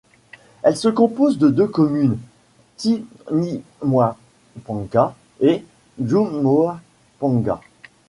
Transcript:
Elle se compose de deux communes : Tsinimoipangua et Djoumoipangua.